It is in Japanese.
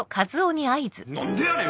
何でやねん！